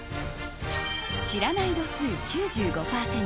知らない度数９５％